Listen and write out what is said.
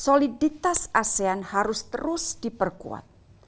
soliditas asean harus terus diperkuat